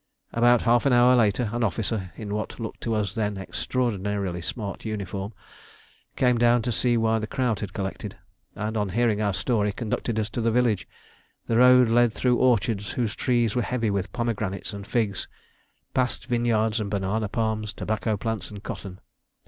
About half an hour later an officer, in what looked to us then extraordinarily smart uniform, came down to see why this crowd had collected, and on hearing our story conducted us to the village. The road led through orchards whose trees were heavy with pomegranates and figs; past vineyards and banana palms, tobacco plants and cotton.